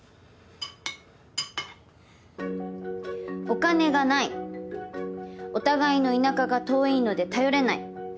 「お金がない」「お互いの田舎が遠いので頼れない」